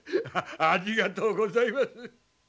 ありがとうございます。